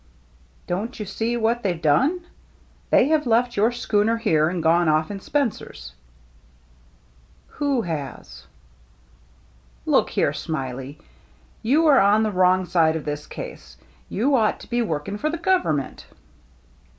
*'" Don't you see what they've done ? They have left your schooner here and gone oiF in Spencer's." "Who has?" " Look here. Smiley, you are on the wrong side of this case. You ought to be working for the government."